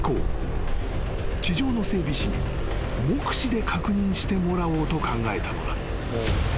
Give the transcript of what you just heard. ［地上の整備士に目視で確認してもらおうと考えたのだ］